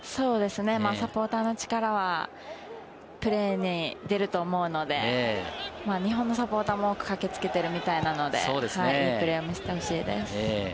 サポーターの力はプレーに出ると思うので、日本のサポーターも多く駆けつけているみたいなので、いいプレーを見せてほしいです。